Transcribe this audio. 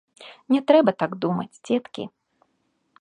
Не трэба так думаць, дзеткі.